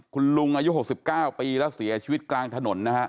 คุณลุงอายุ๖๙ปีแล้วเสียชีวิตกลางถนนนะฮะ